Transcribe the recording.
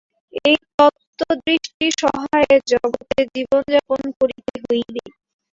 এই তত্ত্বদৃষ্টি-সহায়ে জগতে জীবনযাপন করিতে হইবে।